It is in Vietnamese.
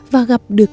và gặp được